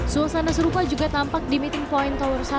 suasana serupa juga tampak di meeting point tower satu